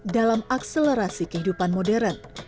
dalam akselerasi kehidupan modern